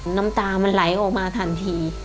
น้ำตามันไหลออกมาทันที